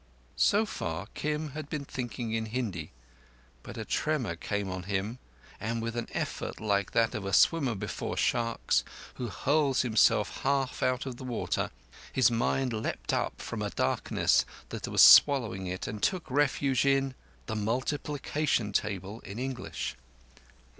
So far Kim had been thinking in Hindi, but a tremor came on him, and with an effort like that of a swimmer before sharks, who hurls himself half out of the water, his mind leaped up from a darkness that was swallowing it and took refuge in—the multiplication table in English!